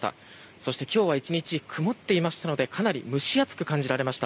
そして今日は１日曇っていましたのでかなり蒸し暑く感じられました。